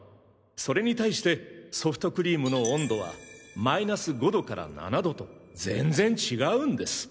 それに対してソフトクリームの温度は−５℃−７℃と全然違うんです。